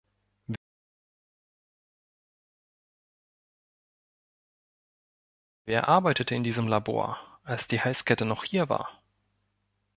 Wer arbeitete in diesem Labor, als die Halskette noch hier war?